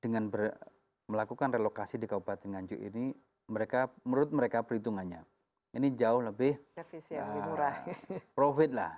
dengan melakukan relokasi di kabupaten nganjuk ini mereka menurut mereka perhitungannya ini jauh lebih profit lah